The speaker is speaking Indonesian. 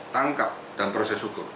tangkap dan proses hukum